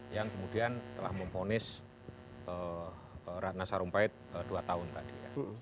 yang kemudian telah memfonis ratna sarumpait dua tahun tadi